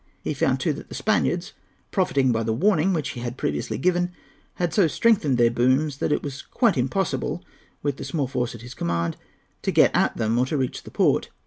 He found too that the Spaniards, profiting by the warning which he had previously given, had so strengthened their booms that it was quite impossible, with the small force at his command, to get at them or to reach the port.